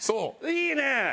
いいねえ！